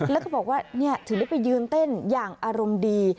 แล้วก็บอกว่าถึงได้ไปยืนเต้นอย่างอารมณ์ดี